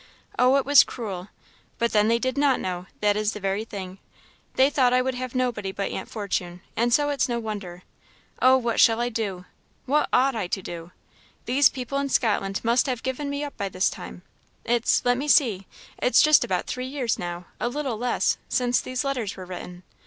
Oh, it was cruel! But then they did not know, that is the very thing they thought I would have nobody but Aunt Fortune, and so it's no wonder oh, what shall I do! What ought I to do? These people in Scotland must have given me up by this time; it's let me see it's just about three years now a little less since these letters were written.